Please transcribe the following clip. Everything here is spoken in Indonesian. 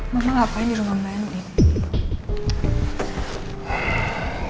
mama ngapain di rumah mba andin